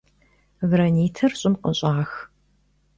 Гранитыр щӀым къыщӀах.